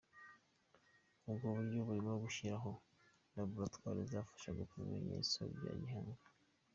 Ubwo buryo burimo gushyiraho laboratwari izafasha gupima ibimenyetso bya gihanga.